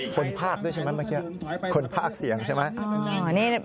ภาคด้วยใช่ไหมเมื่อกี้คนภาคเสียงใช่ไหม